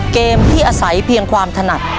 เกมที่อาศัยเพียงความถนัด